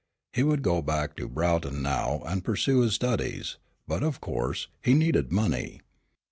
He would go back to Broughton now to pursue his studies, but of course, he needed money.